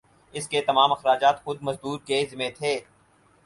اس کے تمام اخراجات خود مزدور کے ذمہ تھے